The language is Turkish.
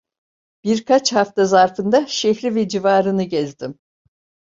Birkaç hafta zarfında şehri ve civarını gezdim.